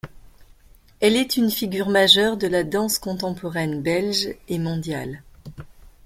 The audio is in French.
Elle est une figure majeure de la danse contemporaine belge et mondiale.